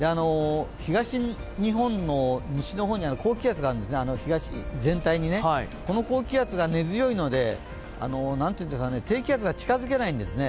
東日本の西の方に高気圧があるんですね、東全体に、この高気圧が根強いので低気圧が近づけないんですね。